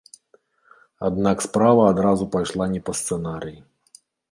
Аднак справа адразу пайшла не па сцэнарыі.